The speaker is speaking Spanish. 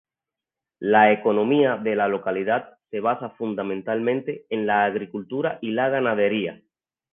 La economía de la localidad se basa fundamentalmente en la agricultura y la ganadería.